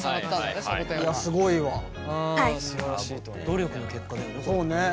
努力の結果だよねこれね。